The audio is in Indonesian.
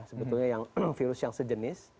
sebetulnya virus yang sejenis